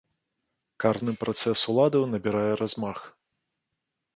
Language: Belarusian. Карны працэс уладаў набірае размах.